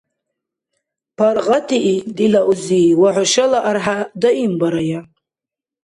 Паргъатии, дила узи, ва хӀушала архӀя даимбарая.